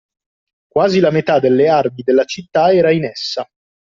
Quasi la metà delle armi della città era in essa.